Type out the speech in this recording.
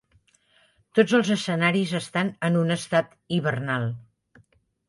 Tots els escenaris estan en un estat hivernal.